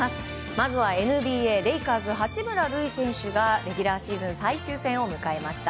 まずはＮＢＡレイカーズ八村塁選手がレギュラーシーズン最終戦を迎えました。